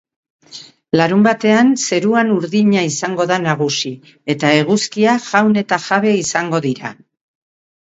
Larunbatean zeruan urdina izango da nagusi eta eguzkia jaun eta jabe izango dra.